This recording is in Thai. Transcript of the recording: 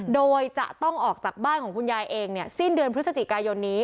โดยจะต้องออกจากบ้านของคุณยายเองสิ้นเดือนพฤศจิกายนนี้